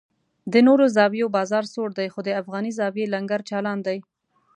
د نورو زاویو بازار سوړ دی خو د افغاني زاویې لنګر چالان دی.